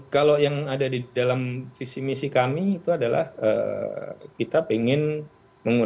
kalau yang ada di dalam visi misi kami itu adalah kita ingin mengurangi impor tentang impor pangan